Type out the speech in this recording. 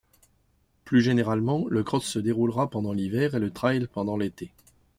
Plus généralement, le cross se déroulera pendant l'hiver et le trail pendant l'été.